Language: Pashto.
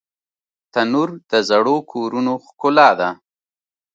تنور د زړو کورونو ښکلا ده